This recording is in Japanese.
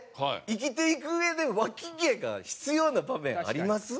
生きていくうえでワキ毛が必要な場面あります？